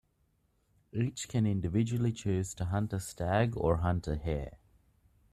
Each can individually choose to hunt a stag or hunt a hare.